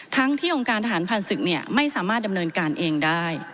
ทั้งที่องค์การทหารผ่านศึกไม่สามารถดำเนินการเองได้